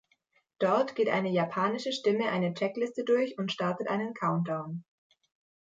Dort geht eine japanische Stimme eine Checkliste durch und startet einen Countdown.